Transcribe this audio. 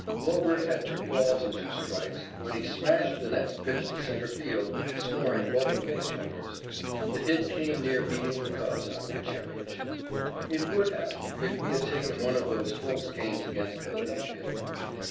Lobert had two balls and two strikes when he smashed the next pitch to center field, scoring both the base runners. The hit came near beating the Cubs out of the championship. It would have if we had taken one of those close games against Philadelphia.